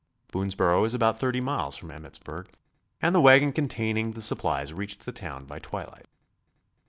Boonsboro is about thirty miles from Emmittsburg, and the wagon containing the supplies reached the town by twilight.